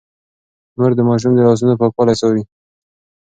مور د ماشوم د لاسونو پاکوالی څاري.